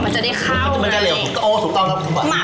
มันจะได้เข้าหน่อยมันก็เลี่ยวถูกต้องที่สุดกว่าเออถูกต้อง